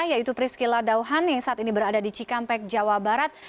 yaitu priscila dauhan yang saat ini berada di cikampek jawa barat